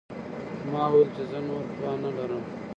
ما وویل چې زه نور توان نه لرم.